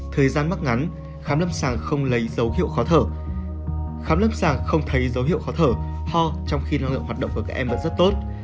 thời gian mắc ngắn khám lâm sàng không lấy dấu hiệu khó thở ho trong khi năng lượng hoạt động của các em vẫn rất tốt